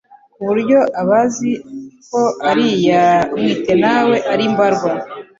ku buryo abazi ko ari iya Mwitenawe ari mbarwa